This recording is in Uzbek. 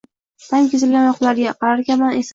Dam kesilgan oyoqlarga, qararkanman, esankirab qoldim